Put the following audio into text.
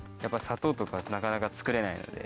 砂糖とかなかなか作れないので。